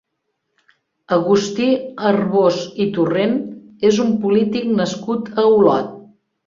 Agustí Arbós i Torrent és un polític nascut a Olot.